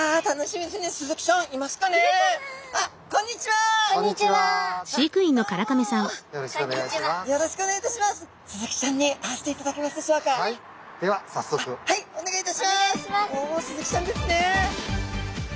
おスズキちゃんですね！